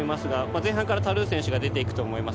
前半からタ・ルー選手が出ていくと思います。